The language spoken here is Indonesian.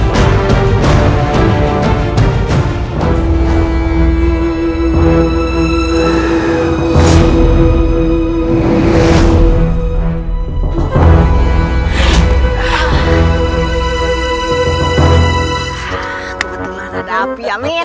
ah kebetulan ada api ya min